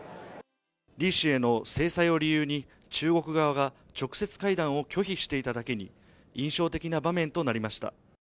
李氏への制裁を理由に中国側が直接会談を拒否していただけに印象的な場面となりました。